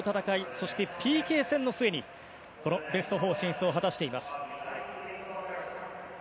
そしてＰＫ戦の末にこのベスト４進出を果たしています。